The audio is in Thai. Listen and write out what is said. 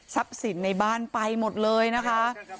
สินในบ้านไปหมดเลยนะคะ